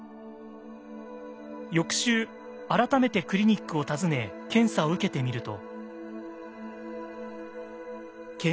翌週改めてクリニックを訪ね検査を受けてみると。